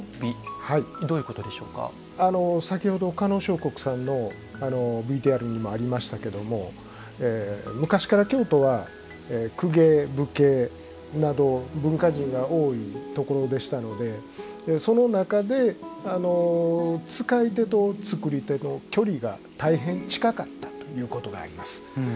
先ほど、叶さんのＶＴＲにもありましたけれども昔から京都は公家、武家など文化人が多いところでしたのでその中で使い手と作り手の距離が大変近かったということがあります。